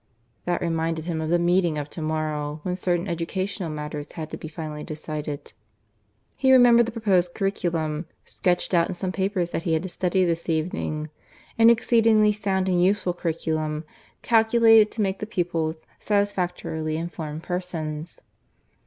(That reminded him of the meeting of to morrow, when certain educational matters had to be finally decided; he remembered the proposed curriculum, sketched out in some papers that he had to study this evening an exceedingly sound and useful curriculum, calculated to make the pupils satisfactorily informed persons.)